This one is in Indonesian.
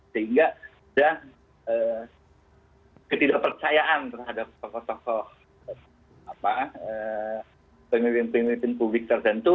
sehingga ada ketidakpercayaan terhadap tokoh tokoh pemimpin pemimpin publik tertentu